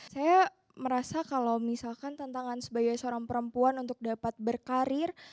saya merasa kalau misalkan tantangan sebagai seorang perempuan untuk dapat berkarir